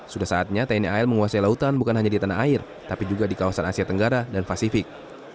sudah saatnya tni al menguasai lautan bukan hanya di tanah air tapi juga di kawasan asia tenggara dan pasifik